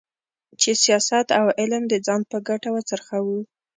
چې سیاست او علم د ځان په ګټه وڅرخوو.